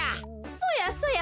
そやそや。